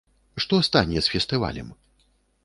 Што стане з фестывалем?